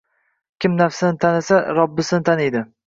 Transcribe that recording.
Kim nafsini tanisa, Robbisini taniydi.